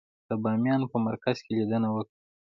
د بامیانو په مرکز کې لیدنه وکړه.